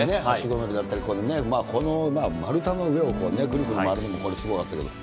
乗りだったりね、この丸太の上をね、ぐるぐる回るのもすごかったけど。